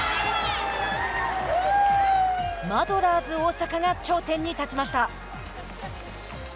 マドラーズ大阪が頂点に立ちました。